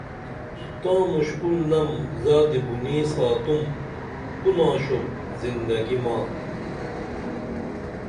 تاں مُشکُل نم زادی بُنیں ساتُم کو ناشوپ زندگی ما